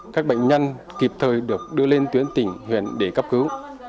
các bệnh nhân kịp thời được đưa lên tuyến tỉnh huyện để cấp cứu